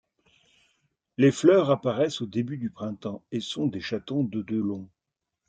Les fleurs apparaissent au début du printemps, et sont des chatons de de long.